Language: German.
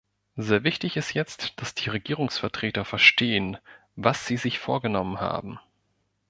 Sehr wichtig ist jetzt, dass die Regierungsvertreter verstehen, was sie sich vorgenommen haben.